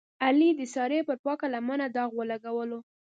علي د سارې پر پاکه لمنه داغ ولګولو.